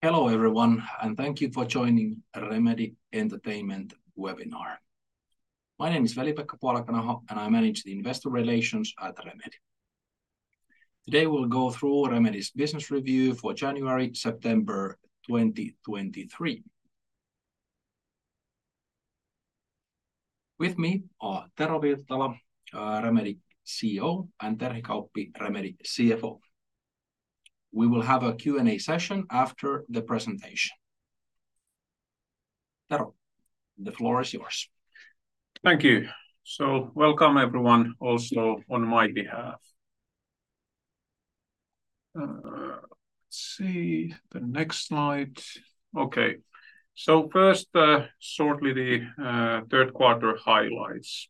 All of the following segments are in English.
Hello, everyone, and thank you for joining Remedy Entertainment webinar. My name is Veli-Pekka Puolakanaho, and I manage the Investor Relations at Remedy. Today, we'll go through Remedy's business review for January-September 2023. With me are Tero Virtala, Remedy CEO, and Terhi Kauppi, Remedy CFO. We will have a Q&A session after the presentation. Tero, the floor is yours. Thank you. So welcome everyone, also on my behalf. Let's see, the next slide. Okay, so first, shortly, the third quarter highlights.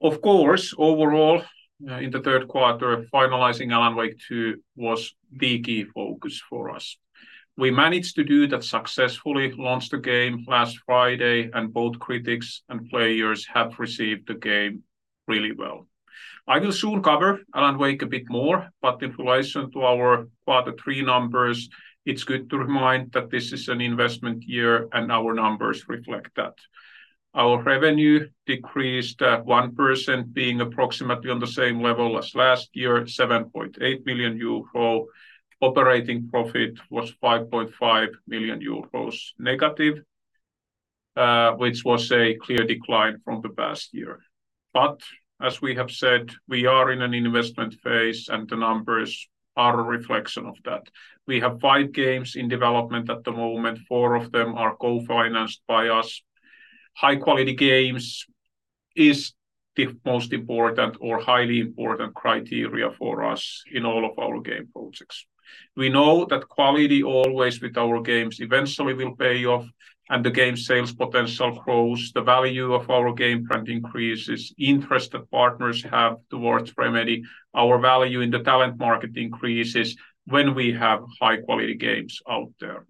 Of course, overall, in the third quarter, finalizing Alan Wake 2 was the key focus for us. We managed to do that successfully, launched the game last Friday, and both critics and players have received the game really well. I will soon cover Alan Wake a bit more, but in relation to our quarter three numbers, it's good to remind that this is an investment year, and our numbers reflect that. Our revenue decreased at 1%, being approximately on the same level as last year, 7.8 million euro. Operating profit was -5.5 million euros, which was a clear decline from the past year. But as we have said, we are in an investment phase, and the numbers are a reflection of that. We have five games in development at the moment. Four of them are co-financed by us. High-quality games is the most important or highly important criteria for us in all of our game projects. We know that quality always with our games eventually will pay off, and the game sales potential grows, the value of our game brand increases, interest that partners have towards Remedy, our value in the talent market increases when we have high-quality games out there.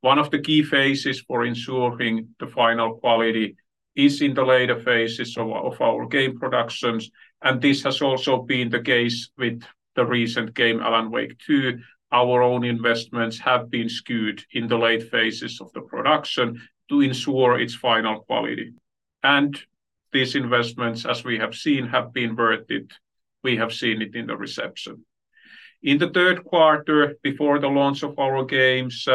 One of the key phases for ensuring the final quality is in the later phases of our game productions, and this has also been the case with the recent game, Alan Wake 2. Our own investments have been skewed in the late phases of the production to ensure its final quality, and these investments, as we have seen, have been worth it. We have seen it in the reception. In the third quarter, before the launch of our games,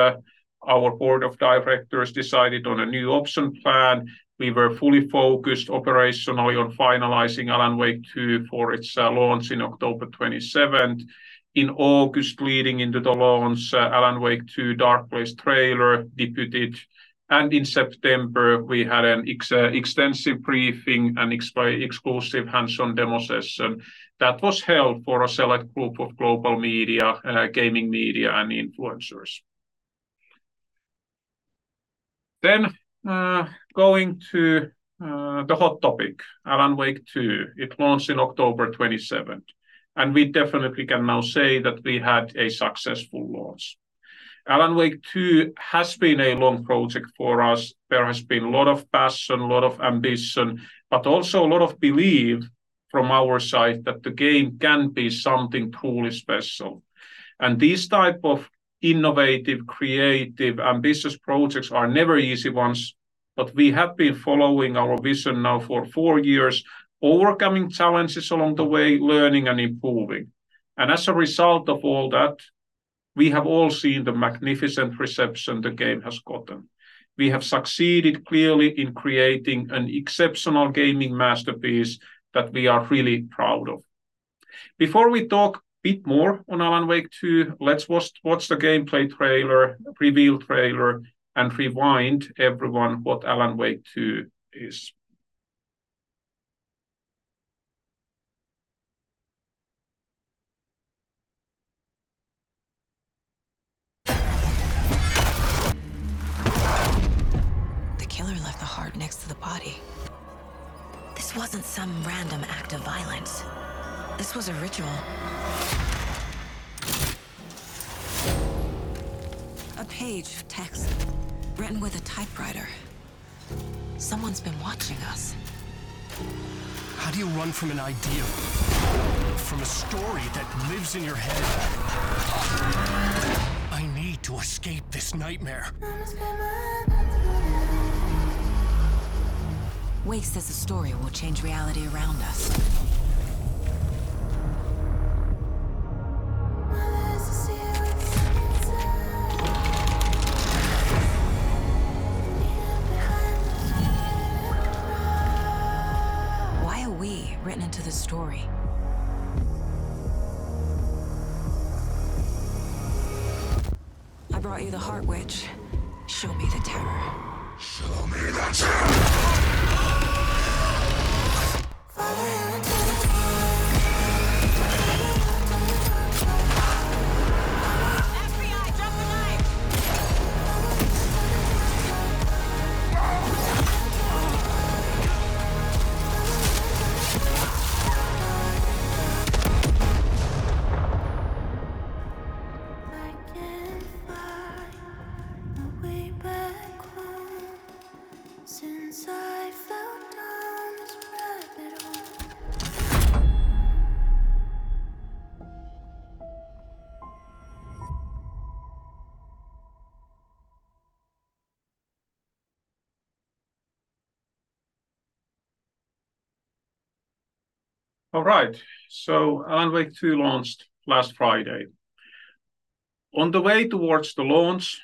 our board of directors decided on a new option plan. We were fully focused operationally on finalizing Alan Wake 2 for its launch in October 27th. In August, leading into the launch, Alan Wake 2 Dark Place trailer debuted, and in September, we had an extensive briefing and exclusive hands-on demo session that was held for a select group of global media, gaming media, and influencers. Then, going to the hot topic, Alan Wake 2. It launched in October 27th, and we definitely can now say that we had a successful launch. Alan Wake 2 has been a long project for us. There has been a lot of passion, a lot of ambition, but also a lot of belief from our side that the game can be something truly special. These type of innovative, creative, ambitious projects are never easy ones, but we have been following our vision now for four years, overcoming challenges along the way, learning and improving. As a result of all that, we have all seen the magnificent reception the game has gotten. We have succeeded clearly in creating an exceptional gaming masterpiece that we are really proud of. Before we talk a bit more on Alan Wake 2, let's watch the gameplay trailer, preview trailer, and remind everyone what Alan Wake 2 is. The killer left the heart next to the body. This wasn't some random act of violence. This was a ritual. A page of text written with a typewriter. Someone's been watching us. How do you run from an idea, from a story that lives in your head? I need to escape this nightmare. Wake says the story will change reality around us. Why are we written into the story? I brought you the heart, Witch. Show me the terror. Show me the terror! FBI, drop the knife!... Since I felt arms wrapped around All right, so Alan Wake 2 launched last Friday. On the way towards the launch,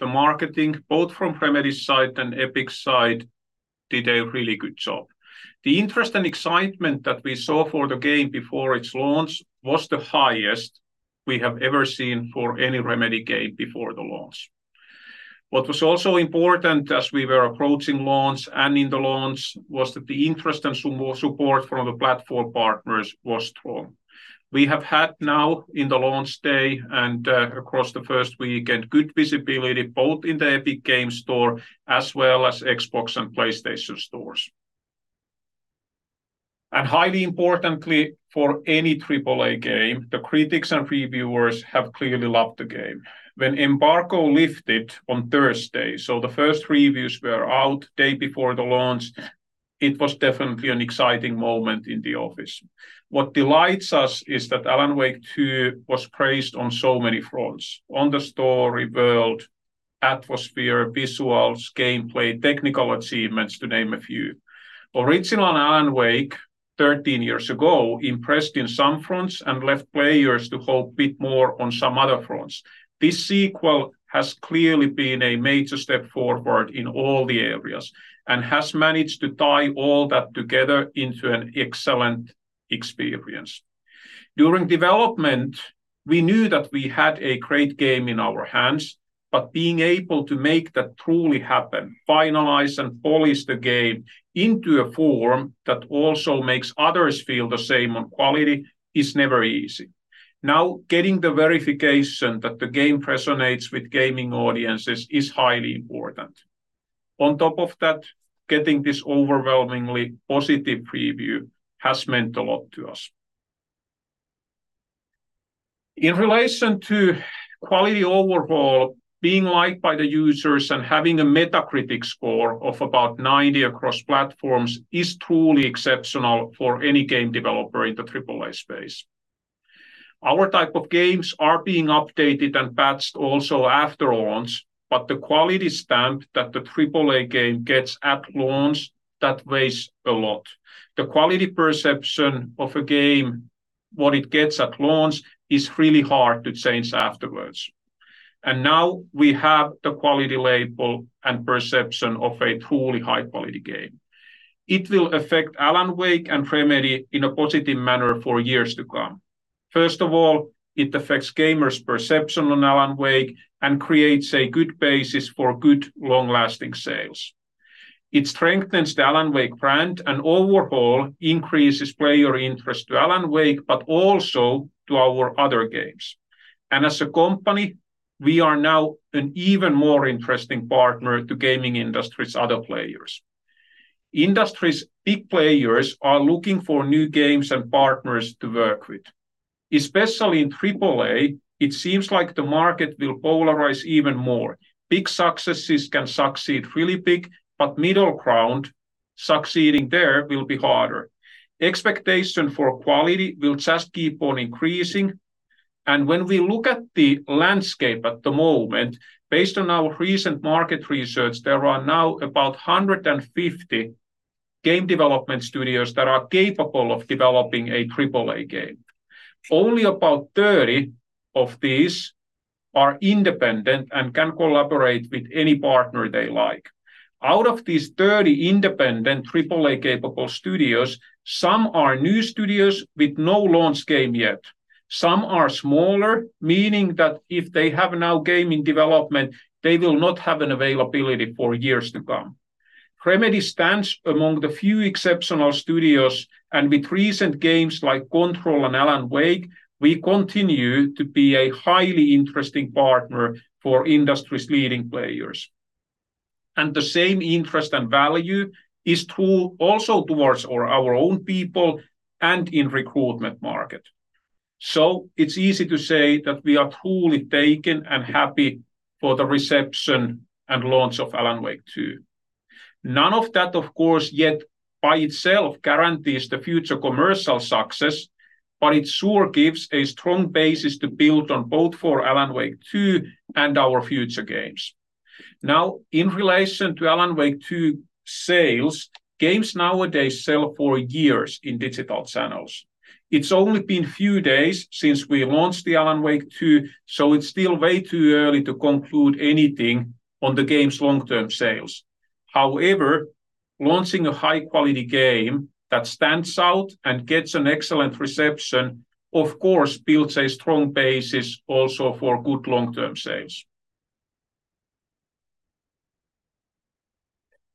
the marketing, both from Remedy's side and Epic's side, did a really good job. The interest and excitement that we saw for the game before its launch was the highest we have ever seen for any Remedy game before the launch. What was also important, as we were approaching launch and in the launch, was that the interest and support from the platform partners was strong. We have had now, in the launch day and across the first week, a good visibility both in the Epic Games Store as well as Xbox and PlayStation stores. And highly importantly, for any Triple-A game, the critics and reviewers have clearly loved the game. When embargo lifted on Thursday, so the first reviews were out day before the launch, it was definitely an exciting moment in the office. What delights us is that Alan Wake 2 was praised on so many fronts: on the story, world, atmosphere, visuals, gameplay, technical achievements, to name a few. Original Alan Wake, 13 years ago, impressed in some fronts and left players to hope bit more on some other fronts. This sequel has clearly been a major step forward in all the areas, and has managed to tie all that together into an excellent experience. During development, we knew that we had a great game in our hands, but being able to make that truly happen, finalize and polish the game into a form that also makes others feel the same on quality, is never easy. Now, getting the verification that the game resonates with gaming audiences is highly important. On top of that, getting this overwhelmingly positive review has meant a lot to us. In relation to quality overall, being liked by the users and having a Metacritic score of about 90 across platforms is truly exceptional for any game developer in the Triple-A space. Our type of games are being updated and patched also after launch, but the quality stamp that the Triple-A game gets at launch, that weighs a lot. The quality perception of a game, what it gets at launch, is really hard to change afterwards. And now we have the quality label and perception of a truly high-quality game. It will affect Alan Wake and Remedy in a positive manner for years to come. First of all, it affects gamers' perception on Alan Wake and creates a good basis for good, long-lasting sales. It strengthens the Alan Wake brand and overall increases player interest to Alan Wake, but also to our other games. As a company, we are now an even more interesting partner to gaming industry's other players. Industry's big players are looking for new games and partners to work with. Especially in Triple-A, it seems like the market will polarize even more. Big successes can succeed really big, but middle ground, succeeding there will be harder. Expectation for quality will just keep on increasing, and when we look at the landscape at the moment, based on our recent market research, there are now about 150 game development studios that are capable of developing a Triple-A game. Only about 30 of these are independent and can collaborate with any partner they like. Out of these 30 independent Triple-A-capable studios, some are new studios with no launch game yet. Some are smaller, meaning that if they have no game in development, they will not have an availability for years to come. Remedy stands among the few exceptional studios, and with recent games like Control and Alan Wake, we continue to be a highly interesting partner for industry's leading players. The same interest and value is true also towards our, our own people and in recruitment market. It's easy to say that we are truly taken and happy for the reception and launch of Alan Wake 2. None of that, of course, yet by itself guarantees the future commercial success, but it sure gives a strong basis to build on, both for Alan Wake 2 and our future games. Now, in relation to Alan Wake 2 sales, games nowadays sell for years in digital channels. It's only been few days since we launched the Alan Wake 2, so it's still way too early to conclude anything on the game's long-term sales. However, launching a high-quality game that stands out and gets an excellent reception, of course, builds a strong basis also for good long-term sales.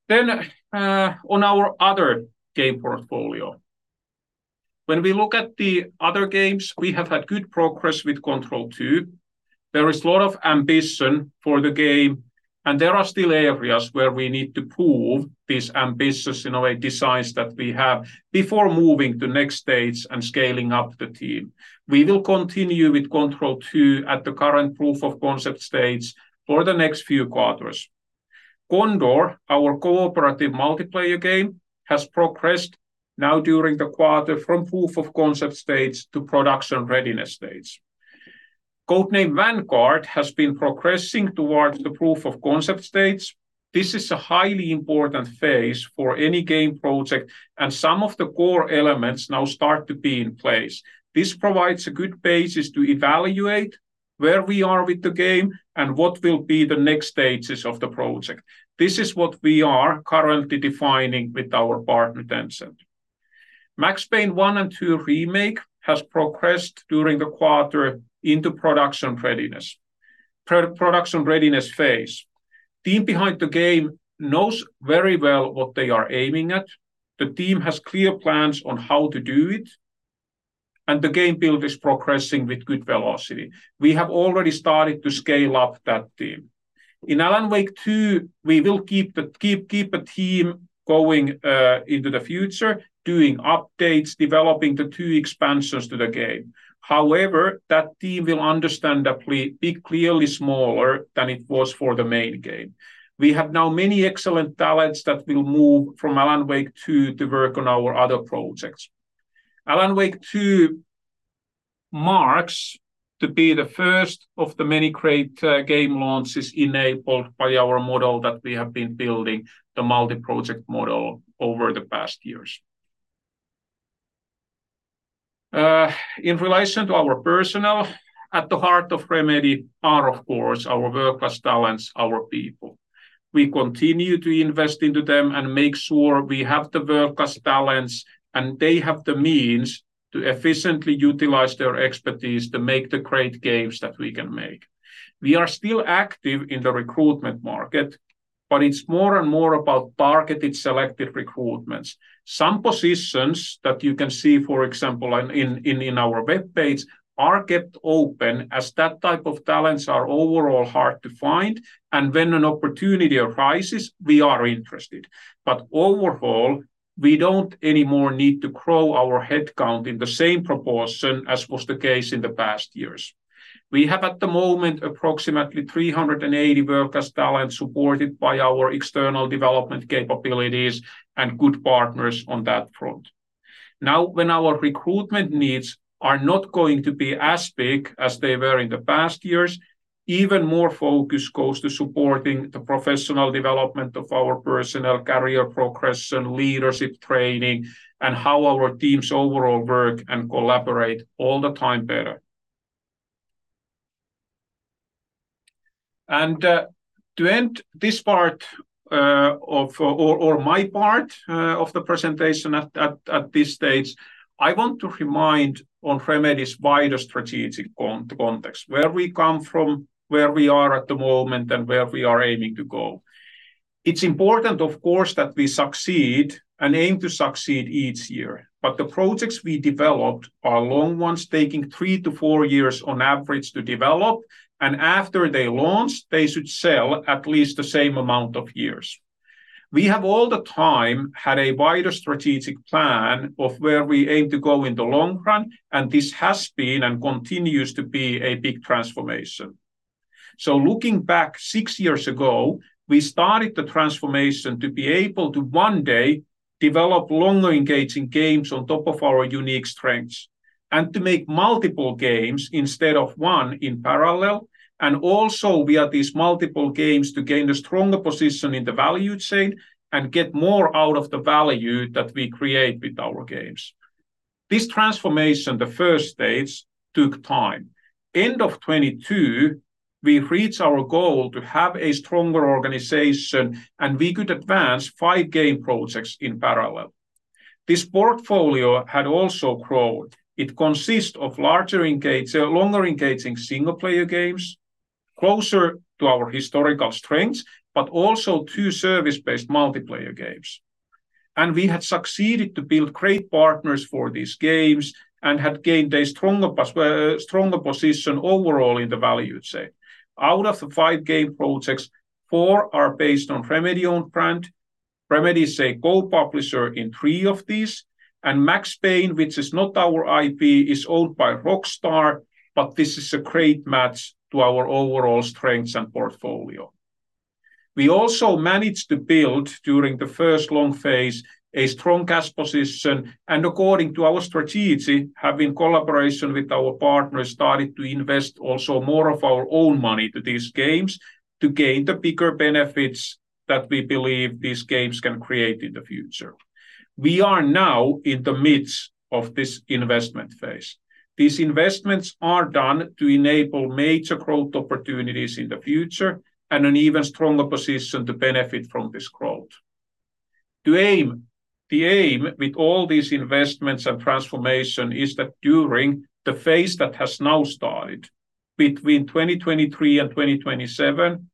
Then, on our other game portfolio. When we look at the other games, we have had good progress with Control 2. There is a lot of ambition for the game, and there are still areas where we need to prove these ambitious, in a way, designs that we have before moving to next stage and scaling up the team. We will continue with Control 2 at the current proof of concept stage for the next few quarters. Condor, our cooperative multiplayer game, has progressed now during the quarter from proof of concept stage to production readiness stage. Codename Vanguard has been progressing towards the proof of concept stage. This is a highly important phase for any game project, and some of the core elements now start to be in place. This provides a good basis to evaluate where we are with the game and what will be the next stages of the project. This is what we are currently defining with our partner, Tencent. Max Payne 1 and 2 Remake has progressed during the quarter into production readiness. Production readiness phase, team behind the game knows very well what they are aiming at. The team has clear plans on how to do it, and the game build is progressing with good velocity. We have already started to scale up that team. In Alan Wake 2, we will keep a team going into the future, doing updates, developing the two expansions to the game. However, that team will understandably be clearly smaller than it was for the main game. We have now many excellent talents that will move from Alan Wake 2 to work on our other projects. Alan Wake 2 marks to be the first of the many great game launches enabled by our model that we have been building, the multi-project model, over the past years. In relation to our personnel, at the heart of Remedy are, of course, our world-class talents, our people. We continue to invest into them and make sure we have the world-class talents, and they have the means to efficiently utilize their expertise to make the great games that we can make. We are still active in the recruitment market, but it's more and more about targeted, selective recruitments. Some positions that you can see, for example, in our web page, are kept open, as that type of talents are overall hard to find, and when an opportunity arises, we are interested. But overall, we don't anymore need to grow our headcount in the same proportion as was the case in the past years. We have, at the moment, approximately 380 world-class talents, supported by our external development capabilities and good partners on that front. Now, when our recruitment needs are not going to be as big as they were in the past years, even more focus goes to supporting the professional development of our personnel, career progression, leadership training, and how our teams overall work and collaborate all the time better. And, to end this part of my part of the presentation at this stage, I want to remind on Remedy's wider strategic context, where we come from, where we are at the moment, and where we are aiming to go. It's important, of course, that we succeed and aim to succeed each year, but the projects we developed are long ones, taking three to four years on average to develop, and after they launch, they should sell at least the same amount of years. We have all the time had a wider strategic plan of where we aim to go in the long run, and this has been, and continues to be, a big transformation. So looking back six years ago, we started the transformation to be able to one day develop longer-engaging games on top of our unique strengths, and to make multiple games instead of one in parallel, and also via these multiple games, to gain a stronger position in the value chain and get more out of the value that we create with our games. This transformation, the first stage, took time. End of 2022, we reached our goal to have a stronger organization, and we could advance five game projects in parallel. This portfolio had also grown. It consists of larger longer-engaging single-player games, closer to our historical strengths, but also two service-based multiplayer games. We had succeeded to build great partners for these games and had gained a stronger position overall in the value chain. Out of the five game projects, four are based on Remedy-owned brand. Remedy is a co-publisher in three of these, and Max Payne, which is not our IP, is owned by Rockstar, but this is a great match to our overall strengths and portfolio. We also managed to build, during the first long phase, a strong cash position, and according to our strategy, have, in collaboration with our partners, started to invest also more of our own money to these games to gain the bigger benefits that we believe these games can create in the future. We are now in the midst of this investment phase. These investments are done to enable major growth opportunities in the future and an even stronger position to benefit from this growth. The aim with all these investments and transformation is that during the phase that has now started, between 2023 and 2027,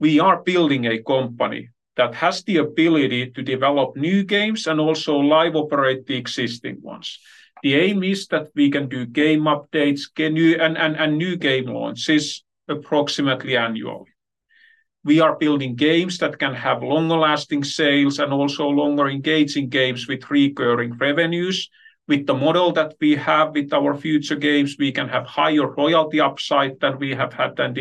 we are building a company that has the ability to develop new games and also live operate the existing ones. The aim is that we can do game updates and new game launches approximately annually. We are building games that can have longer-lasting sales and also longer-engaging games with recurring revenues. With the model that we have with our future games, we can have higher royalty upside than we have had in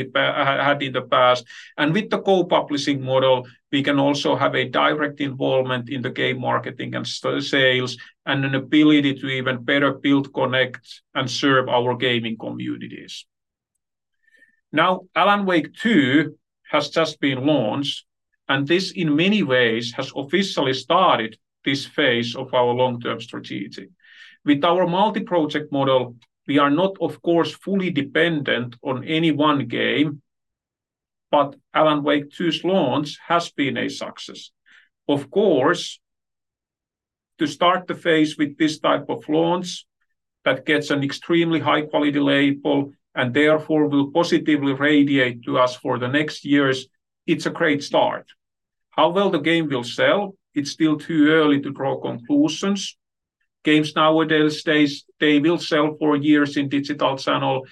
the past. With the co-publishing model, we can also have a direct involvement in the game marketing and sales, and an ability to even better build, connect, and serve our gaming communities. Now, Alan Wake 2 has just been launched, and this, in many ways, has officially started this phase of our long-term strategy. With our multi-project model, we are not, of course, fully dependent on any one game, but Alan Wake 2's launch has been a success. Of course, to start the phase with this type of launch that gets an extremely high-quality label and therefore will positively radiate to us for the next years, it's a great start. How well the game will sell, it's still too early to draw conclusions. Games nowadays, they will sell for years in digital channel.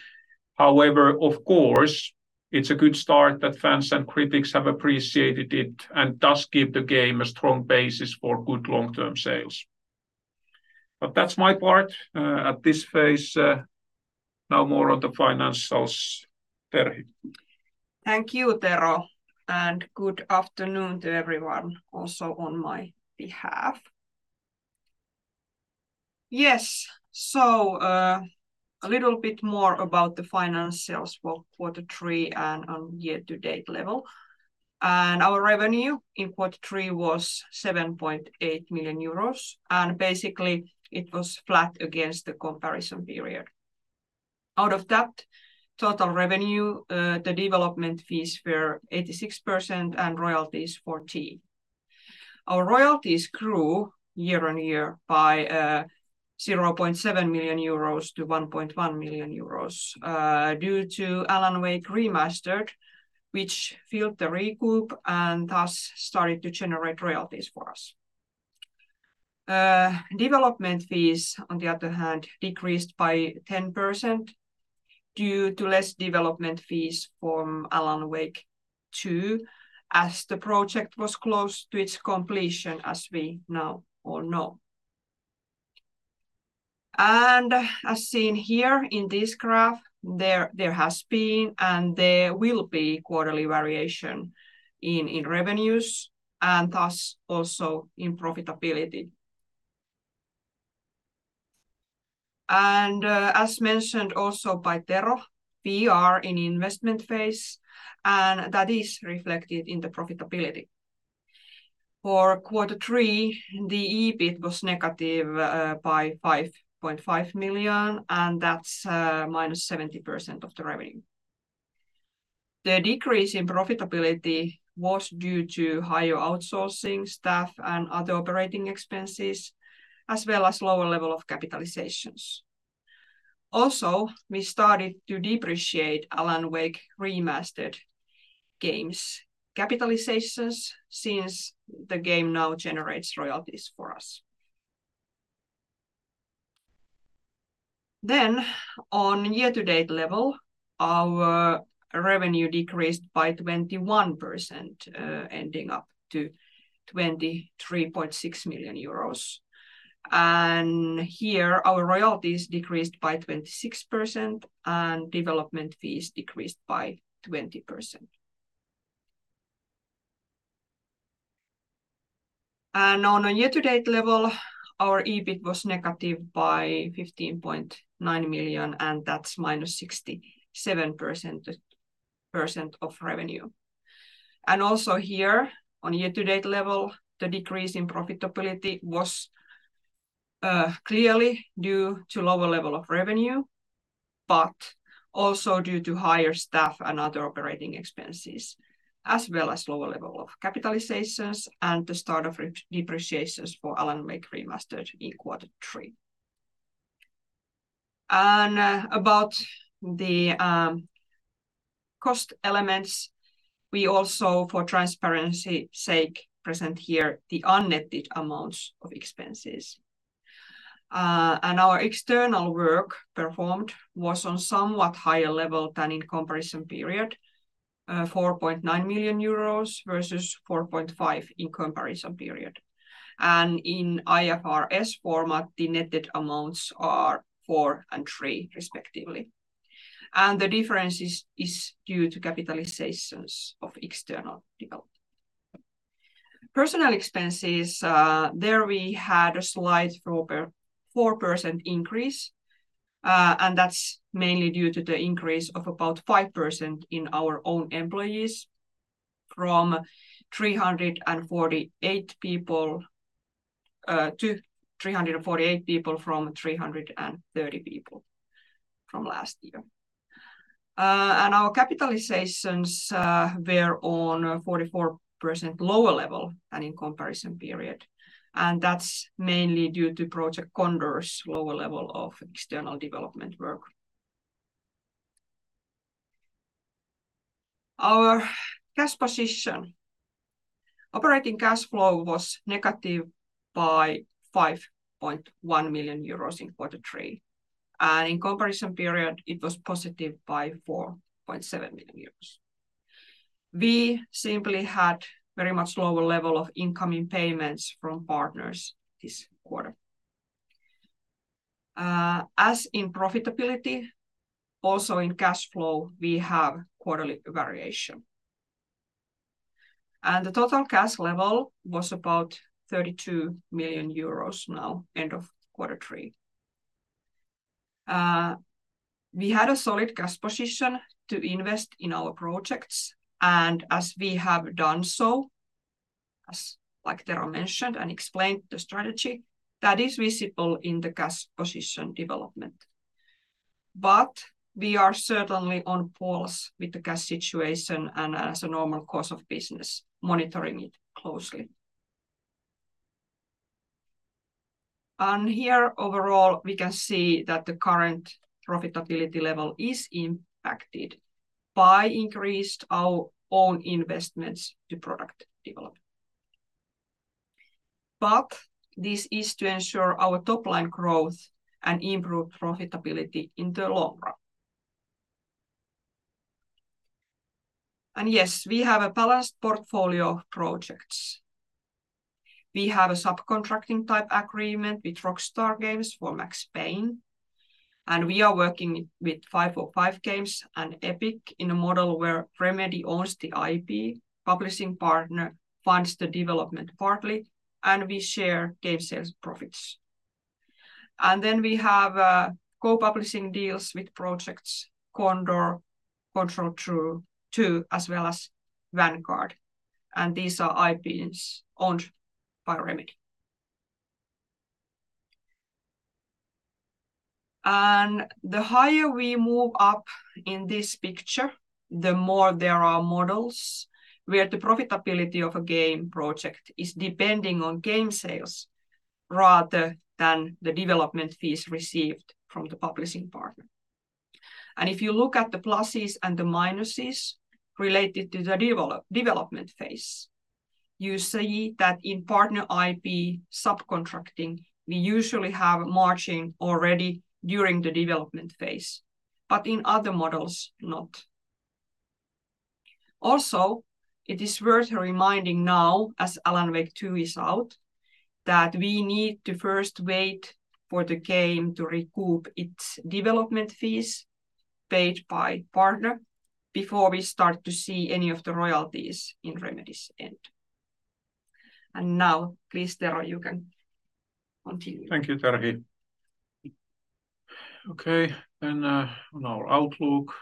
However, of course, it's a good start that fans and critics have appreciated it, and does give the game a strong basis for good long-term sales. But that's my part, at this phase. Now more on the financials, Terhi. Thank you, Tero, and good afternoon to everyone also on my behalf. Yes, so, a little bit more about the financials for quarter three and on year-to-date level. Our revenue in quarter three was 7.8 million euros, and basically, it was flat against the comparison period. Out of that total revenue, the development fees were 86% and royalties, 40%. Our royalties grew year-over-year by 0.7 million euros to 1.1 million euros, due to Alan Wake Remastered, which filled the recoup and thus started to generate royalties for us. Development fees, on the other hand, decreased by 10% due to less development fees from Alan Wake 2, as the project was close to its completion, as we now all know. As seen here in this graph, there has been and there will be quarterly variation in revenues, and thus, also in profitability. As mentioned also by Tero, we are in investment phase, and that is reflected in the profitability. For quarter three, the EBIT was negative by 5.5 million, and that's -70% of the revenue. The decrease in profitability was due to higher outsourcing staff and other operating expenses, as well as lower level of capitalizations. Also, we started to depreciate Alan Wake Remastered games capitalizations since the game now generates royalties for us. On year-to-date level, our revenue decreased by 21%, ending up to 23.6 million euros. And here, our royalties decreased by 26%, and development fees decreased by 20%. On a year-to-date level, our EBIT was negative by 15.9 million, and that's -67% of revenue. Also here, on a year-to-date level, the decrease in profitability was clearly due to lower level of revenue, but also due to higher staff and other operating expenses, as well as lower level of capitalizations and the start of depreciations for Alan Wake Remastered in quarter three. About the cost elements, we also, for transparency sake, present here the unnetted amounts of expenses. Our external work performed was on somewhat higher level than in comparison period, 4.9 million euros versus 4.5 million in comparison period. In IFRS format, the netted amounts are 4 and 3, respectively, and the difference is due to capitalizations of external development. Personnel expenses, there we had a slight 4% increase, and that's mainly due to the increase of about 5% in our own employees, from 330 people last year to 348 people. And our capitalizations were on a 44% lower level than in comparison period, and that's mainly due to Project Condor's lower level of external development work. Operating cash flow was negative by 5.1 million euros in quarter three, and in comparison period, it was positive by 4.7 million euros. We simply had very much lower level of incoming payments from partners this quarter. As in profitability, also in cash flow, we have quarterly variation. The total cash level was about 32 million euros now, end of quarter three. We had a solid cash position to invest in our projects, and as we have done so, as like Tero mentioned and explained the strategy, that is visible in the cash position development. We are certainly on pause with the cash situation and as a normal course of business, monitoring it closely. Here, overall, we can see that the current profitability level is impacted by increased our own investments to product development. This is to ensure our top-line growth and improve profitability in the long run. Yes, we have a balanced portfolio of projects. We have a subcontracting-type agreement with Rockstar Games for Max Payne, and we are working with 505 Games and Epic in a model where Remedy owns the IP, publishing partner funds the development partly, and we share game sales profits. Then we have co-publishing deals with projects Condor, Control 2, as well as Vanguard, and these are IPs owned by Remedy. The higher we move up in this picture, the more there are models where the profitability of a game project is depending on game sales rather than the development fees received from the publishing partner. If you look at the pluses and the minuses related to the development phase, you see that in partner IP subcontracting, we usually have margin already during the development phase, but in other models, not. Also, it is worth reminding now, as Alan Wake 2 is out, that we need to first wait for the game to recoup its development fees paid by partner before we start to see any of the royalties in Remedy's end. And now, please, Tero, you can continue. Thank you, Terhi. Okay, then, on our outlook.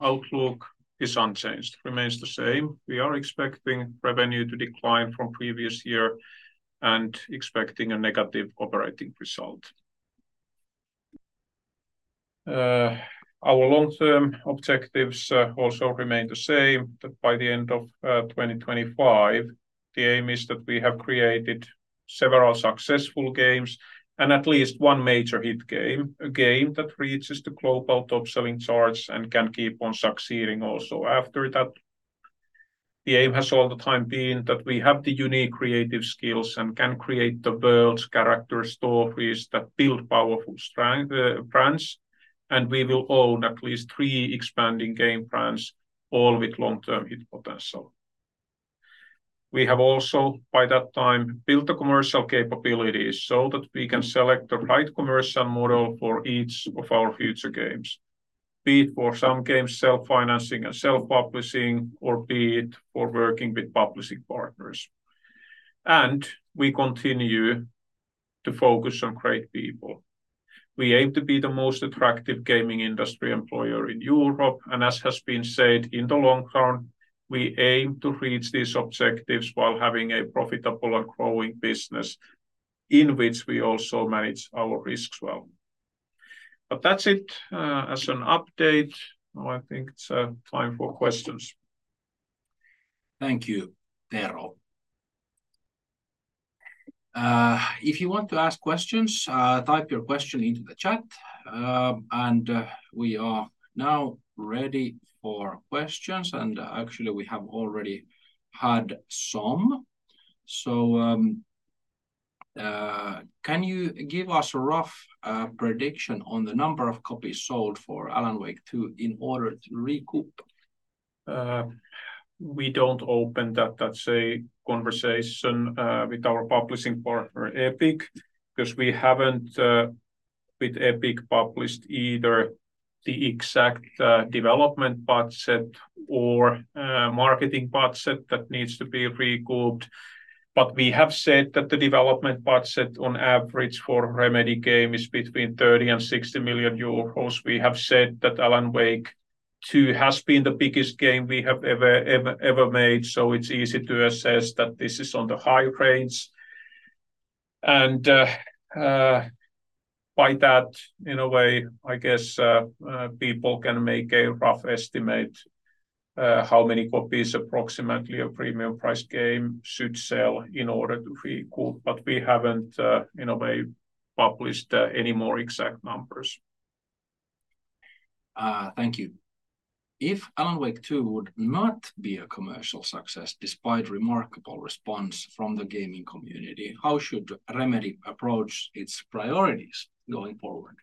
Outlook is unchanged, remains the same. We are expecting revenue to decline from previous year and expecting a negative operating result. Our long-term objectives also remain the same, that by the end of 2025, the aim is that we have created several successful games and at least one major hit game, a game that reaches the global top-selling charts and can keep on succeeding also after that. The aim has all the time been that we have the unique creative skills and can create the world's character stories that build powerful brands, and we will own at least three expanding game brands, all with long-term hit potential. We have also, by that time, built the commercial capabilities so that we can select the right commercial model for each of our future games, be it for some games, self-financing and self-publishing, or be it for working with publishing partners. We continue to focus on great people. We aim to be the most attractive gaming industry employer in Europe, and as has been said, in the long run, we aim to reach these objectives while having a profitable and growing business in which we also manage our risks well. But that's it, as an update. Now, I think it's time for questions. Thank you, Tero. If you want to ask questions, type your question into the chat, and we are now ready for questions, and actually, we have already had some. So, can you give us a rough prediction on the number of copies sold for Alan Wake 2 in order to recoup? We don't open that. That's a conversation with our publishing partner, Epic, because we haven't with Epic, published either the exact development budget or marketing budget that needs to be recouped. But we have said that the development budget on average for Remedy game is between 30 million and 60 million euros. We have said that Alan Wake 2 has been the biggest game we have ever, ever, ever made, so it's easy to assess that this is on the higher range. And by that, in a way, I guess, people can make a rough estimate how many copies approximately a premium price game should sell in order to recoup, but we haven't, in a way, published any more exact numbers. Thank you. If Alan Wake 2 would not be a commercial success, despite remarkable response from the gaming community, how should Remedy approach its priorities going forward?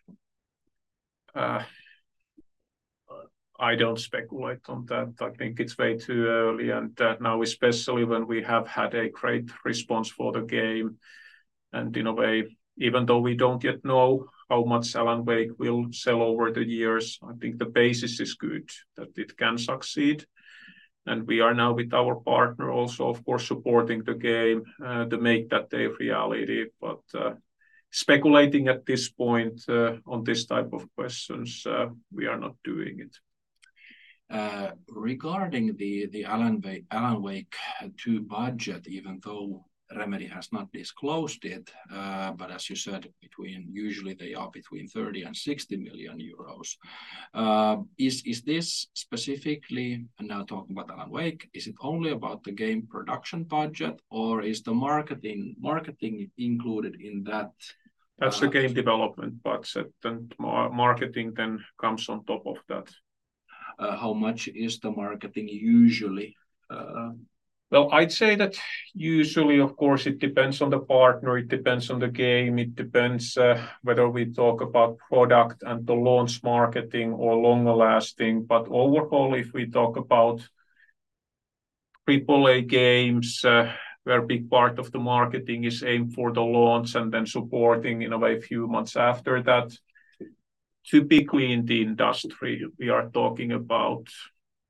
I don't speculate on that. I think it's way too early, and, now, especially when we have had a great response for the game, and in a way, even though we don't yet know how much Alan Wake will sell over the years, I think the basis is good that it can succeed. And we are now with our partner also, of course, supporting the game, to make that a reality. But, speculating at this point, on this type of questions, we are not doing it. Regarding the Alan Wake 2 budget, even though Remedy has not disclosed it, but as you said, usually they are between 30 million and 60 million euros. Is this specifically, and now talking about Alan Wake, is it only about the game production budget, or is the marketing included in that? That's the game development budget, and more marketing than comes on top of that. How much is the marketing usually? Well, I'd say that usually, of course, it depends on the partner, it depends on the game. It depends, whether we talk about product and the launch marketing or longer lasting. But overall, if we talk about Triple-A games, where a big part of the marketing is aimed for the launch and then supporting, in a way, a few months after that, typically in the industry, we are talking about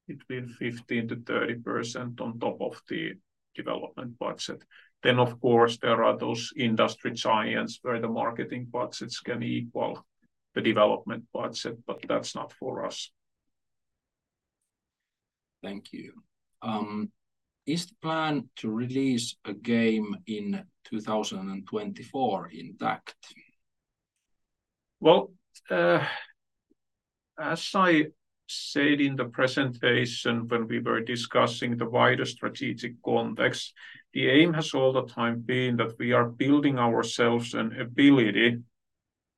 between 15%-30% on top of the development budget. Then, of course, there are those industry giants where the marketing budgets can equal the development budget, but that's not for us. Thank you. Is the plan to release a game in 2024 intact? Well, as I said in the presentation, when we were discussing the wider strategic context, the aim has all the time been that we are building ourselves an ability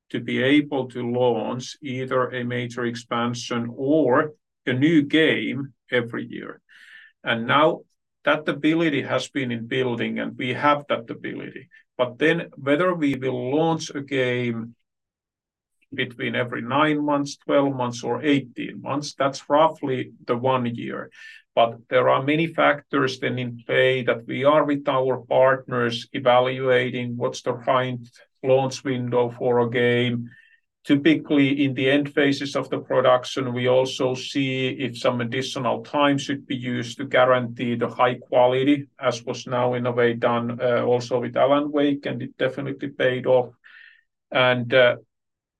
to be able to launch either a major expansion or a new game every year. And now that ability has been in building, and we have that ability. But then, whether we will launch a game between every nine months, 12 months, or 18 months, that's roughly the one year. But there are many factors then in play that we are, with our partners, evaluating what's the right launch window for a game. Typically, in the end phases of the production, we also see if some additional time should be used to guarantee the high quality, as was now in a way done, also with Alan Wake, and it definitely paid off. And,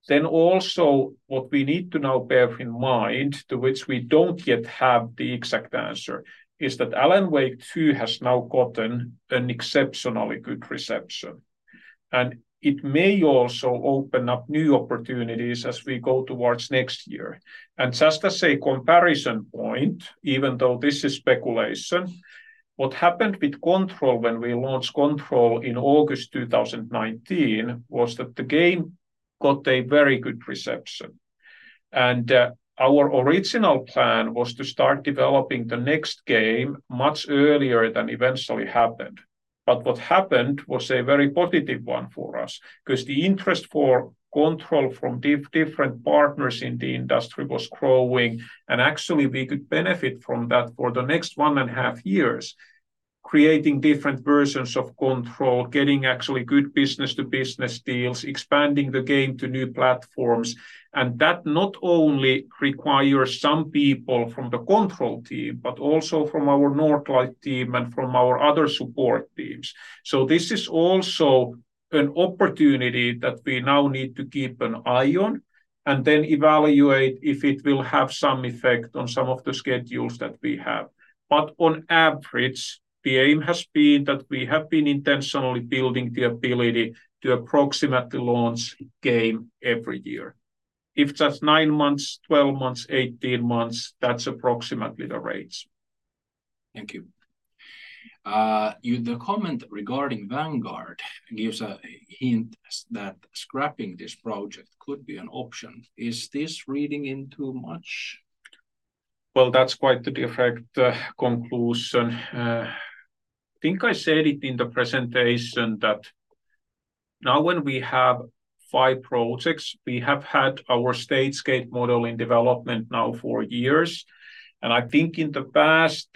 then also what we need to now bear in mind, to which we don't yet have the exact answer, is that Alan Wake 2 has now gotten an exceptionally good reception, and it may also open up new opportunities as we go towards next year. And just as a comparison point, even though this is speculation, what happened with Control when we launched Control in August 2019, was that the game got a very good reception, and, our original plan was to start developing the next game much earlier than eventually happened. But what happened was a very positive one for us, because the interest for Control from different partners in the industry was growing, and actually, we could benefit from that for the next 1.5 years, creating different versions of Control, getting actually good business-to-business deals, expanding the game to new platforms. And that not only requires some people from the Control team, but also from our Northlight team and from our other support teams. So this is also an opportunity that we now need to keep an eye on and then evaluate if it will have some effect on some of the schedules that we have. But on average, the aim has been that we have been intentionally building the ability to approximately launch a game every year. If that's nine months, 12 months, 18 months, that's approximately the range. Thank you. You, the comment regarding Vanguard gives a hint that scrapping this project could be an option. Is this reading in too much? Well, that's quite the different conclusion. Think I said it in the presentation that now when we have five projects, we have had our stage gate model in development now for years, and I think in the past,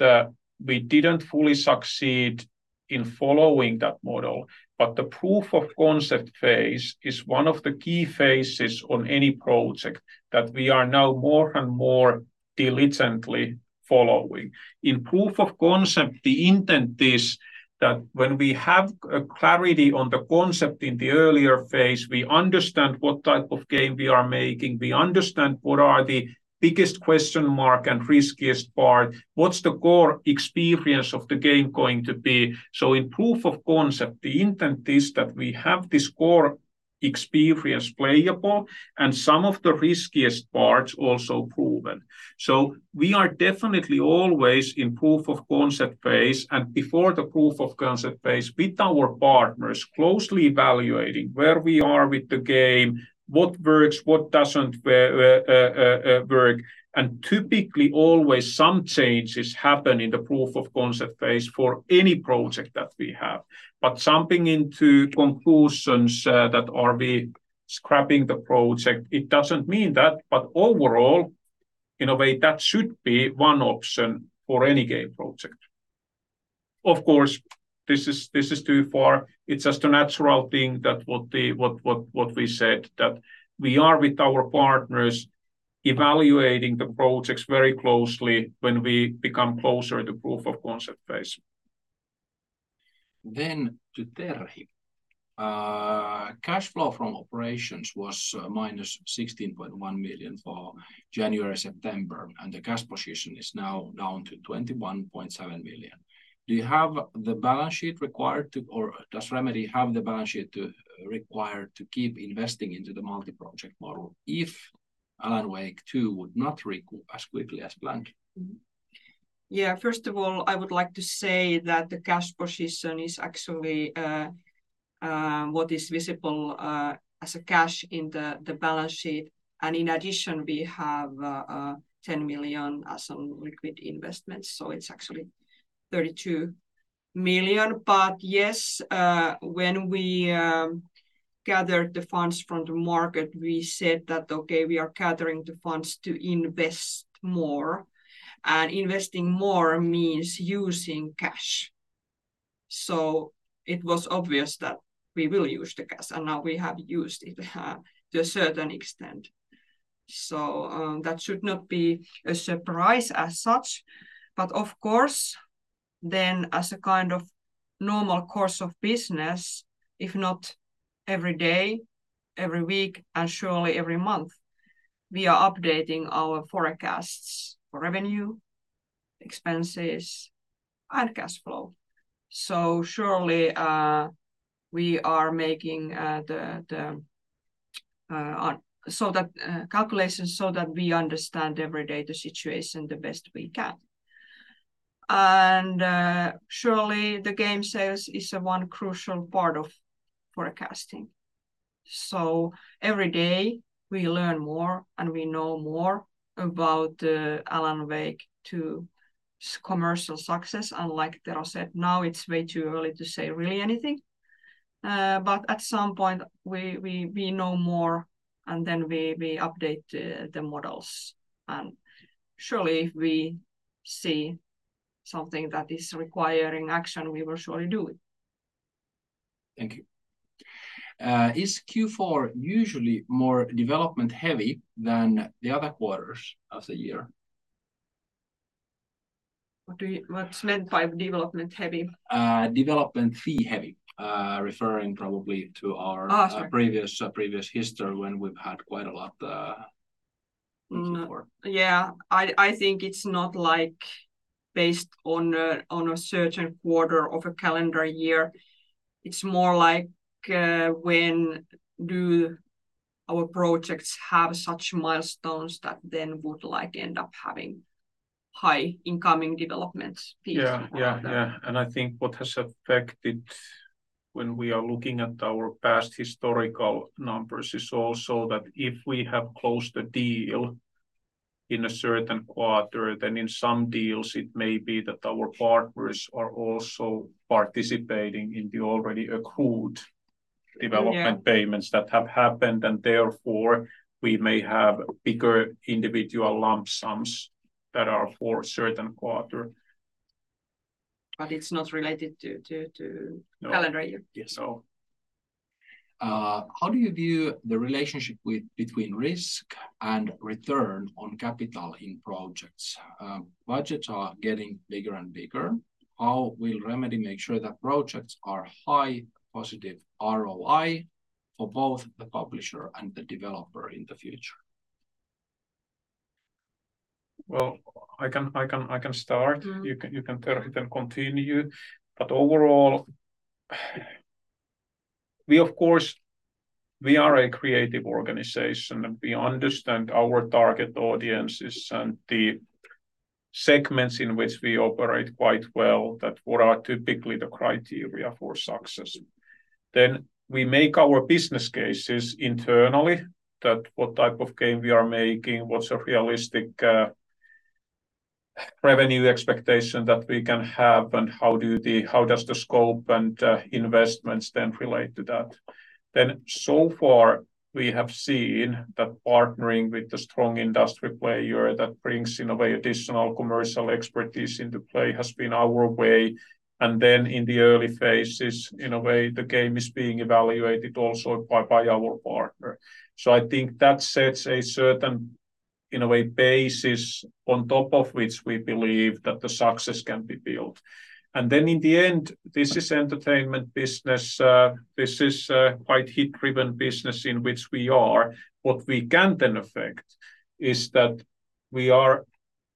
we didn't fully succeed in following that model. But the proof of concept phase is one of the key phases on any project that we are now more and more diligently following. In proof of concept, the intent is that when we have clarity on the concept in the earlier phase, we understand what type of game we are making, we understand what are the biggest question mark and riskiest part, what's the core experience of the game going to be? So in proof of concept, the intent is that we have this core experience playable, and some of the riskiest parts also proven. So we are definitely always in proof of concept phase, and before the proof of concept phase, with our partners, closely evaluating where we are with the game, what works, what doesn't work, work. And typically, always some changes happen in the proof of concept phase for any project that we have. But jumping into conclusions that are we scrapping the project, it doesn't mean that. But overall, in a way, that should be one option for any game project. Of course, this is too far. It's just a natural thing that what we said, that we are with our partners evaluating the projects very closely when we become closer to proof of concept phase. Then to Terhi. Cash flow from operations was minus 16.1 million for January-September, and the cash position is now down to 21.7 million. Do you have the balance sheet required to... Or does Remedy have the balance sheet to, required to keep investing into the multi-project model if Alan Wake 2 would not recoup as quickly as planned? Yeah, first of all, I would like to say that the cash position is actually what is visible as a cash in the balance sheet. And in addition, we have 10 million as liquid investments, so it's actually 32 million. But yes, when we gathered the funds from the market, we said that, okay, we are gathering the funds to invest more, and investing more means using cash. So it was obvious that we will use the cash, and now we have used it to a certain extent. So, that should not be a surprise as such. But of course, then, as a kind of normal course of business, if not every day, every week, and surely every month, we are updating our forecasts for revenue, expenses, and cash flow. So surely, we are making calculations so that we understand every day the situation the best we can. And surely, the game sales is a one crucial part of forecasting. So every day, we learn more, and we know more about Alan Wake 2 commercial success, and like Tero said, now it's way too early to say really anything. But at some point, we know more, and then we update the models. And surely, if we see something that is requiring action, we will surely do it. Thank you. Is Q4 usually more development-heavy than the other quarters of the year? What do you-- What's meant by development-heavy? Development fee-heavy, Referring probably to our- Ah, sorry. -previous, previous history, when we've had quite a lot, before. Yeah, I think it's not like based on a certain quarter of a calendar year. It's more like when do our projects have such milestones that then would, like, end up having high incoming development fees? Yeah, yeah, yeah. And I think what has affected, when we are looking at our past historical numbers, is also that if we have closed the deal in a certain quarter, then in some deals, it may be that our partners are also participating in the already accrued- Yeah development payments that have happened, and therefore, we may have bigger individual lump sums that are for a certain quarter. But it's not related to- No -calendar year. Yes. So. How do you view the relationship between risk and return on capital in projects? Budgets are getting bigger and bigger. How will Remedy make sure that projects are high positive ROI for both the publisher and the developer in the future? Well, I can start. Mm. You can, Terhi, then continue. But overall, we of course are a creative organization, and we understand our target audiences and the segments in which we operate quite well, that what are typically the criteria for success. Then we make our business cases internally, that what type of game we are making, what's a realistic revenue expectation that we can have, and how does the scope and investments then relate to that? Then, so far, we have seen that partnering with the strong industry player that brings, in a way, additional commercial expertise into play has been our way. And then in the early phases, in a way, the game is being evaluated also by our partner. So I think that sets a certain, in a way, basis on top of which we believe that the success can be built. Then in the end, this is entertainment business. This is a quite hit-driven business in which we are. What we can then affect is that we are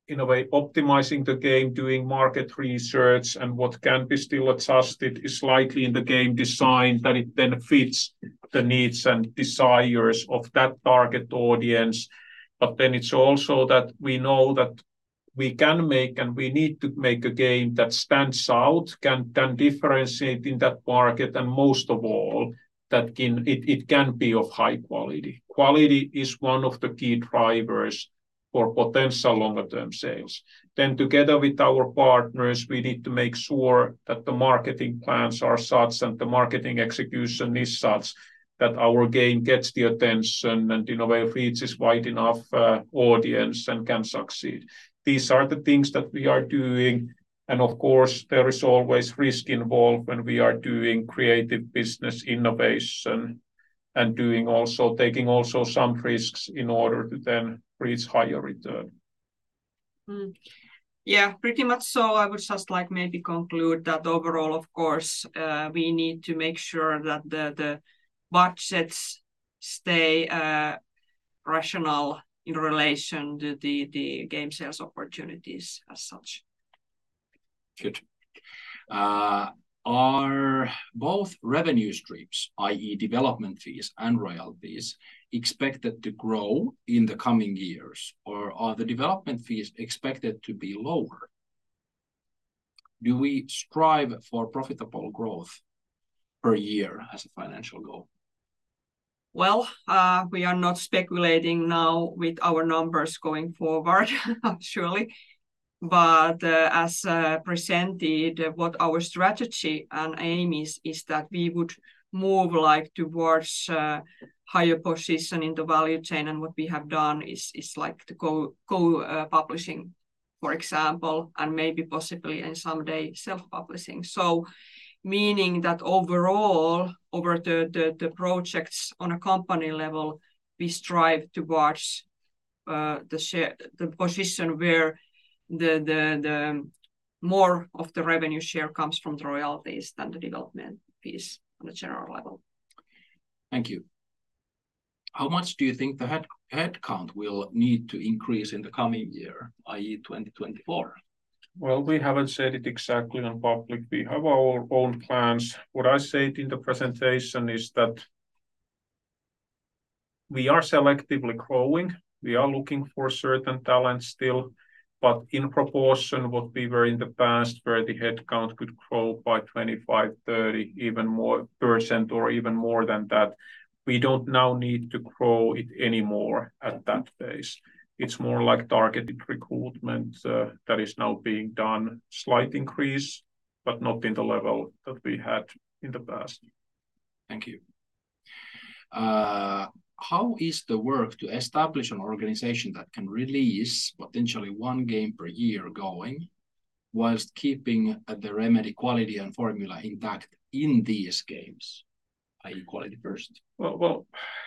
in a way optimizing the game, doing market research, and what can be still adjusted is likely in the game design, that it benefits the needs and desires of that target audience. But then it's also that we know that we can make, and we need to make, a game that stands out, can differentiate in that market, and most of all, that can, it can be of high quality. Quality is one of the key drivers for potential longer-term sales. Then, together with our partners, we need to make sure that the marketing plans are such, and the marketing execution is such, that our game gets the attention and, in a way, reaches wide enough audience and can succeed. These are the things that we are doing, and of course, there is always risk involved when we are doing creative business innovation, and taking also some risks in order to then reach higher return. Yeah, pretty much so. I would just, like, maybe conclude that overall, of course, we need to make sure that the, the budgets stay rational in relation to the, the game sales opportunities as such. Good. Are both revenue streams, i.e. development fees and royalties, expected to grow in the coming years, or are the development fees expected to be lower? Do we strive for profitable growth per year as a financial goal? Well, we are not speculating now with our numbers going forward, surely. But, as presented, what our strategy and aim is, is that we would move, like, towards, higher position in the value chain, and what we have done is, like, the co-publishing, for example, and maybe possibly, and someday, self-publishing. So meaning that overall, over the projects on a company level, we strive towards, the position where the more of the revenue share comes from the royalties than the development piece on a general level. Thank you. How much do you think the headcount will need to increase in the coming year, i.e. 2024? Well, we haven't said it exactly in public. We have our own plans. What I said in the presentation is that we are selectively growing. We are looking for certain talents still, but in proportion, what we were in the past, where the headcount could grow by 25, 30, even more % or even more than that, we don't now need to grow it anymore at that pace. It's more like targeted recruitment, that is now being done. Slight increase, but not in the level that we had in the past. Thank you. How is the work to establish an organization that can release potentially one game per year going, while keeping the Remedy quality and formula intact in these games, i.e. quality first? Well, well,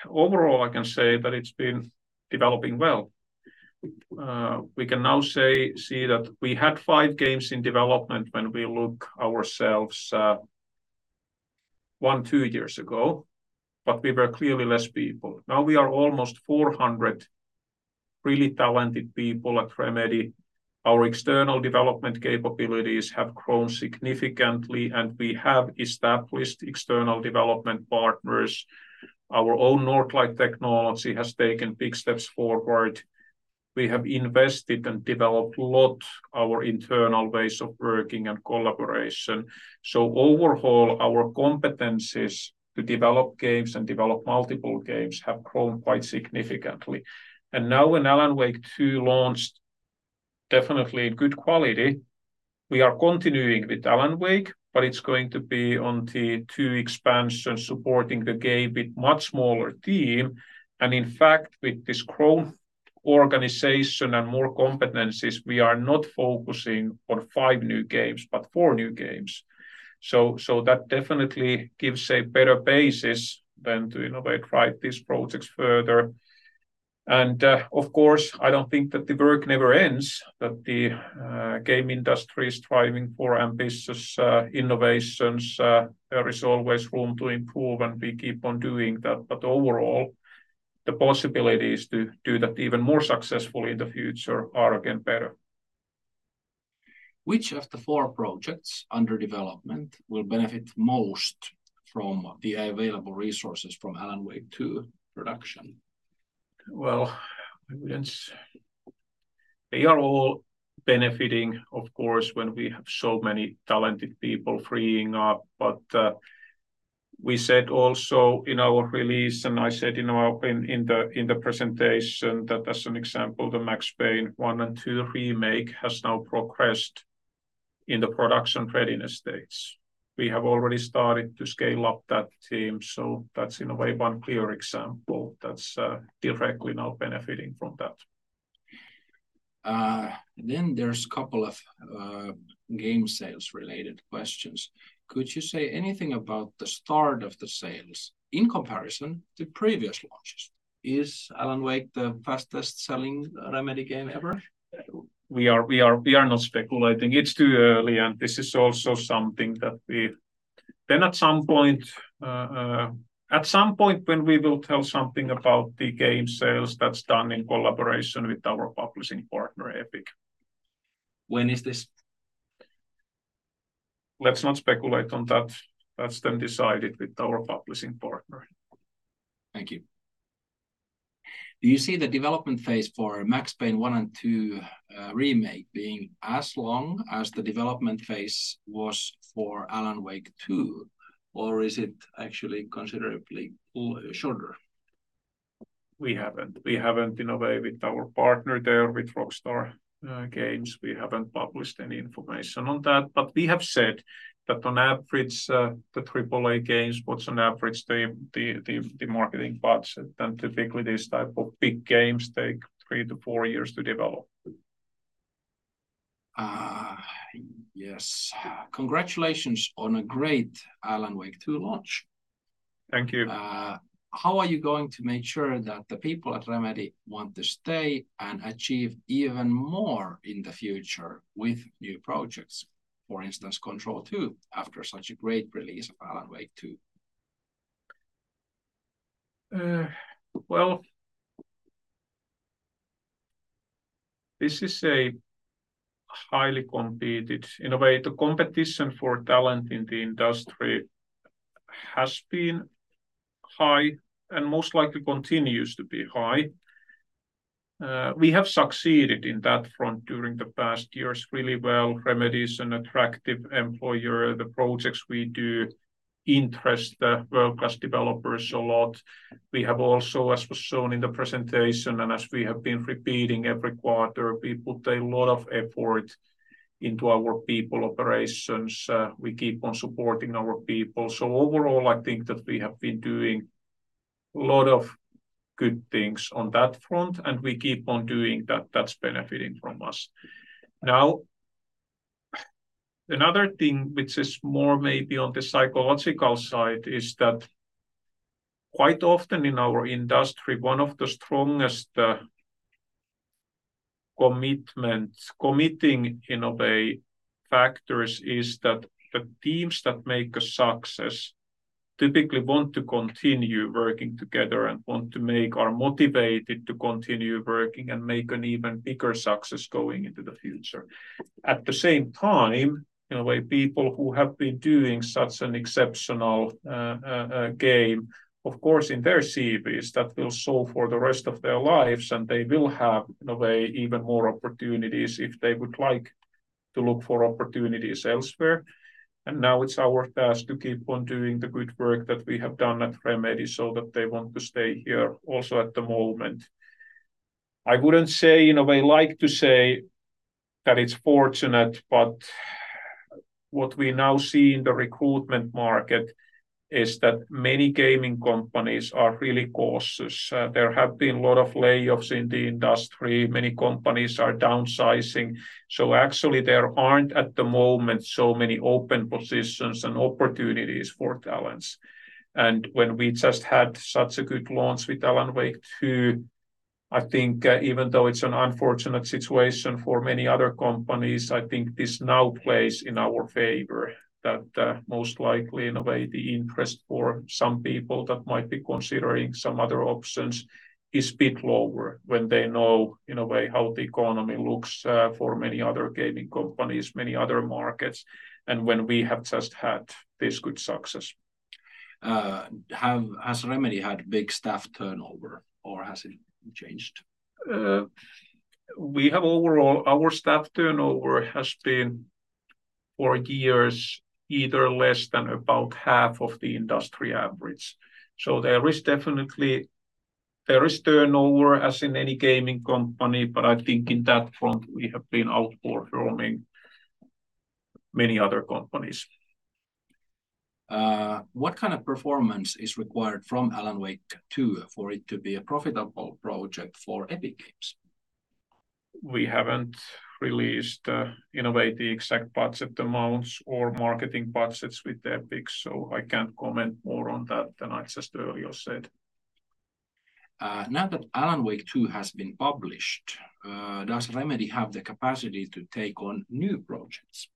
overall, I can say that it's been developing well. We can now say, see that we had five games in development when we look ourselves, one to two years ago, but we were clearly less people. Now, we are almost 400 really talented people at Remedy. Our external development capabilities have grown significantly, and we have established external development partners. Our own Northlight technology has taken big steps forward. We have invested and developed a lot our internal ways of working and collaboration. So overall, our competencies to develop games and develop multiple games have grown quite significantly. And now, when Alan Wake 2 launched definitely in good quality, we are continuing with Alan Wake, but it's going to be on the two expansions, supporting the game with much smaller team. In fact, with this growth organization and more competencies, we are not focusing on five new games, but four new games. So, that definitely gives a better basis than to, you know, like, drive these projects further. And, of course, I don't think that the work never ends, that the game industry is thriving for ambitious innovations. There is always room to improve, and we keep on doing that. But overall, the possibilities to do that even more successfully in the future are again better. Which of the four projects under development will benefit most from the available resources from Alan Wake 2 production? Well, I wouldn't say... They are all benefiting, of course, when we have so many talented people freeing up. But, we said also in our release, and I said in the presentation, that as an example, the Max Payne 1 and 2 remake has now progressed in the production readiness stage. We have already started to scale up that team, so that's, in a way, one clear example that's directly now benefiting from that. Then there's a couple of game sales-related questions. Could you say anything about the start of the sales in comparison to previous launches? Is Alan Wake the fastest-selling Remedy game ever? We are not speculating. It's too early, and this is also something that. Then at some point when we will tell something about the game sales, that's done in collaboration with our publishing partner, Epic. When is this? Let's not speculate on that. That's then decided with our publishing partner. Thank you. Do you see the development phase for Max Payne 1 and 2 remake being as long as the development phase was for Alan Wake 2? Or is it actually considerably shorter? We haven't, in a way, with our partner there, with Rockstar Games, we haven't published any information on that, but we have said that on average, the Triple-A games, what's on average, the marketing budget, and typically these type of big games take three to four years to develop. Yes. Congratulations on a great Alan Wake 2 launch. Thank you. How are you going to make sure that the people at Remedy want to stay and achieve even more in the future with new projects? For instance, Control 2, after such a great release of Alan Wake 2. Well, this is a highly competitive. In a way, the competition for talent in the industry has been high and most likely continues to be high. We have succeeded in that front during the past years really well. Remedy is an attractive employer. The projects we do interest the world-class developers a lot. We have also, as was shown in the presentation, and as we have been repeating every quarter, we put a lot of effort into our people operations. We keep on supporting our people. So overall, I think that we have been doing a lot of good things on that front, and we keep on doing that. That's benefiting from us. Now, another thing which is more maybe on the psychological side, is that quite often in our industry, one of the strongest commitment, in a way, factors is that the teams that make a success typically want to continue working together and want to make, are motivated to continue working and make an even bigger success going into the future. At the same time, in a way, people who have been doing such an exceptional game, of course, in their CVs, that will show for the rest of their lives, and they will have, in a way, even more opportunities if they would like to look for opportunities elsewhere. Now it's our task to keep on doing the good work that we have done at Remedy, so that they want to stay here also at the moment. I wouldn't say, in a way, like to say that it's fortunate, but what we now see in the recruitment market is that many gaming companies are really cautious. There have been a lot of layoffs in the industry. Many companies are downsizing, so actually, there aren't, at the moment, so many open positions and opportunities for talents. And when we just had such a good launch with Alan Wake 2, I think even though it's an unfortunate situation for many other companies, I think this now plays in our favor, that, most likely, in a way, the interest for some people that might be considering some other options is bit lower when they know, in a way, how the economy looks, for many other gaming companies, many other markets, and when we have just had this good success. Has Remedy had big staff turnover, or has it changed? We have overall, our staff turnover has been, for years, either less than about half of the industry average. So there is definitely, there is turnover, as in any gaming company, but I think in that front, we have been outperforming many other companies. What kind of performance is required from Alan Wake 2 for it to be a profitable project for Epic Games? We haven't released, in a way, the exact budget amounts or marketing budgets with Epic, so I can't comment more on that than I just earlier said. Now that Alan Wake 2 has been published, does Remedy have the capacity to take on new projects?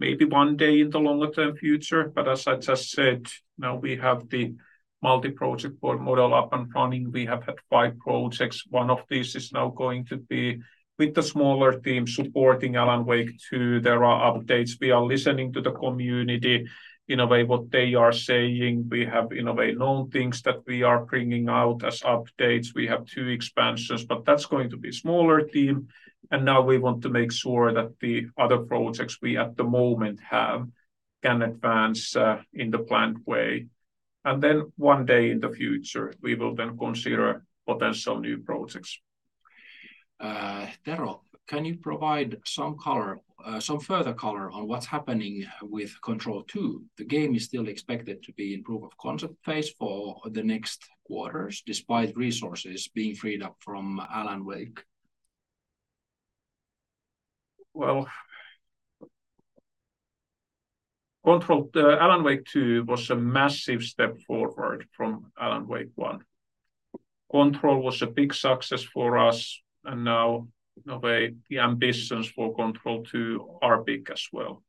Maybe one day in the longer-term future, but as I just said, now we have the multi-project model up and running. We have had five projects. One of these is now going to be with the smaller team supporting Alan Wake 2. There are updates. We are listening to the community, in a way, what they are saying. We have, in a way, known things that we are bringing out as updates. We have two expansions, but that's going to be smaller team, and now we want to make sure that the other projects we, at the moment have, can advance, in the planned way. And then one day in the future, we will then consider potential new projects. Tero, can you provide some color, some further color on what's happening with Control 2? The game is still expected to be in proof-of-concept phase for the next quarters, despite resources being freed up from Alan Wake. Well, Control... Alan Wake 2 was a massive step forward from Alan Wake 1. Control was a big success for us, and now, in a way, the ambitions for Control 2 are big as well.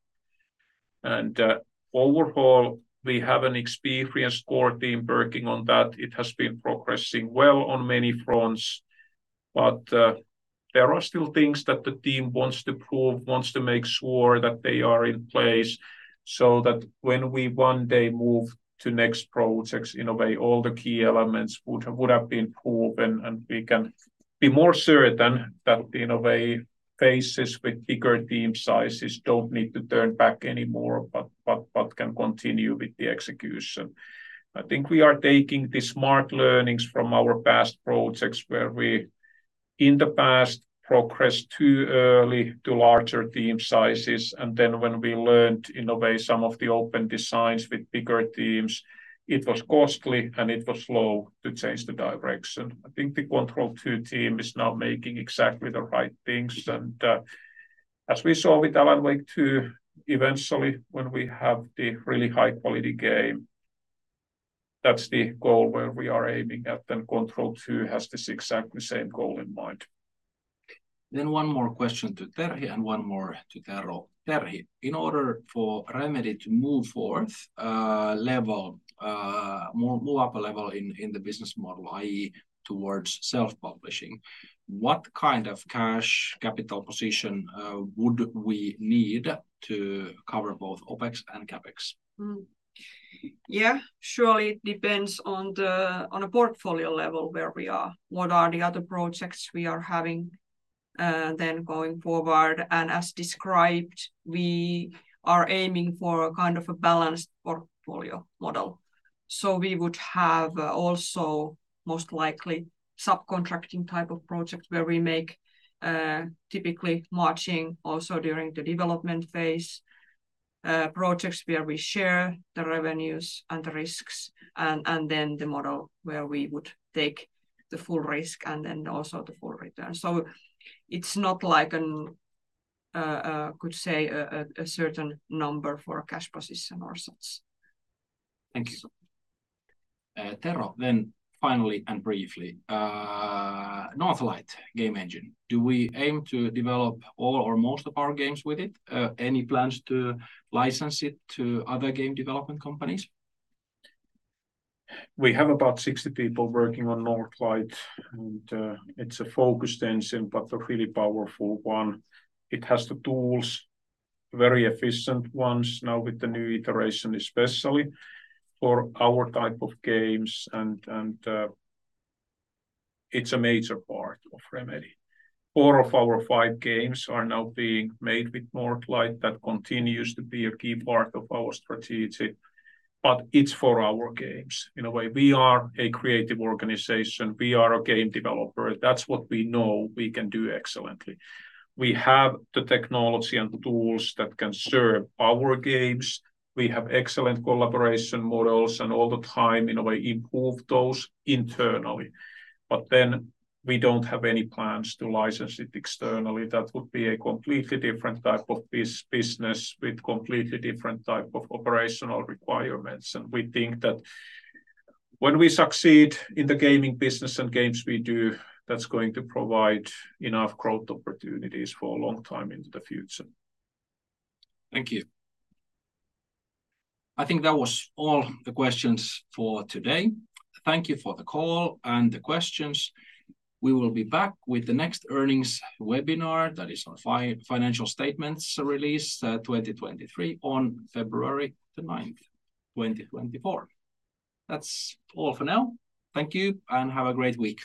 And, overall, we have an experienced core team working on that. It has been progressing well on many fronts, but, there are still things that the team wants to prove, wants to make sure that they are in place, so that when we one day move to next projects, in a way, all the key elements would have been proven, and we can be more certain that, in a way, phases with bigger team sizes don't need to turn back anymore, but can continue with the execution. I think we are taking the smart learnings from our past projects, where we, in the past, progressed too early to larger team sizes, and then when we learned, in a way, some of the open designs with bigger teams, it was costly, and it was slow to change the direction. I think the Control 2 team is now making exactly the right things, and, as we saw with Alan Wake 2, eventually, when we have the really high-quality game, that's the goal where we are aiming at, then Control 2 has this exactly same goal in mind. Then one more question to Terhi and one more to Tero. Terhi, in order for Remedy to move forward, move up a level in the business model, i.e., towards self-publishing, what kind of cash capital position would we need to cover both OpEx and CapEx? Yeah, surely it depends on a portfolio level, where we are, what are the other projects we are having, then going forward. And as described, we are aiming for a kind of a balanced portfolio model. So we would have, also, most likely, subcontracting type of projects, where we make, typically matching also during the development phase, projects where we share the revenues and the risks, and then the model where we would take the full risk, and then also the full return. So it's not like one could say a certain number for a cash position or such. Thank you. Tero, then finally and briefly, Northlight game engine, do we aim to develop all or most of our games with it? Any plans to license it to other game development companies? We have about 60 people working on Northlight, and it's a focused engine, but a really powerful one. It has the tools, very efficient ones, now with the new iteration, especially, for our type of games, and it's a major part of Remedy. Four of our five games are now being made with Northlight. That continues to be a key part of our strategy, but it's for our games. In a way, we are a creative organization. We are a game developer. That's what we know we can do excellently. We have the technology and the tools that can serve our games. We have excellent collaboration models, and all the time, in a way, improve those internally. But then we don't have any plans to license it externally. That would be a completely different type of business with completely different type of operational requirements. We think that when we succeed in the gaming business and games we do, that's going to provide enough growth opportunities for a long time into the future. Thank you. I think that was all the questions for today. Thank you for the call and the questions. We will be back with the next earnings webinar, that is our financial statements release, 2023, on February 9, 2024. That's all for now. Thank you, and have a great week.